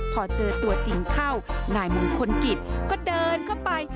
พอเจอตัวจริงเข้านายมงคลกิจก็เดินเข้าไป